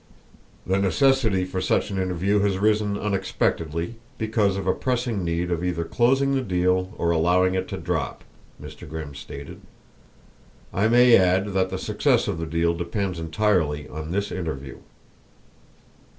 "The necessity for such an interview has risen unexpectedly, because of a pressing need of either closing the deal or allowing it to drop," Mr. Grimm stated. "I may add that the success of the deal depends entirely on this interview."